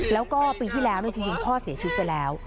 แล้วก็ปีที่แล้วจริงพ่อเสียชีวิตไปแล้ว